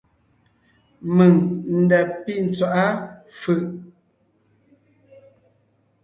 Mèŋ n da pí tswaʼá fʉ̀ʼ.